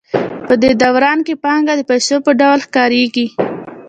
په دې دوران کې پانګه د پیسو په ډول ښکارېږي